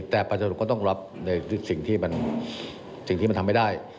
แต่ปัจจุตก็ต้องรับสิ่งที่มันทำไม่ได้